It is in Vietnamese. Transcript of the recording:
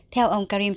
theo ông karim